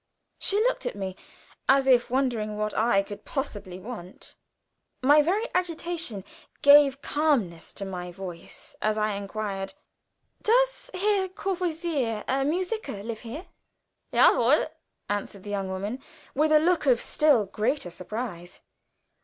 She looked at me as if wondering what I could possibly want. My very agitation gave calmness to my voice as I inquired, "Does Herr Courvoisier, a musiker, live here?" "Ja wohl!" answered the young woman, with a look of still greater surprise.